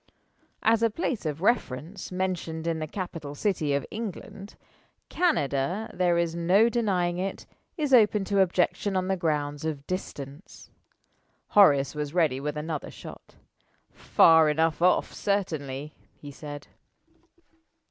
As a place of reference mentioned in the capital city of England Canada, there is no denying it, is open to objection on the ground of distance. Horace was ready with another shot. "Far enough off, certainly," he said.